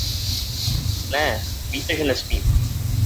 Ne; víte, že nesmím.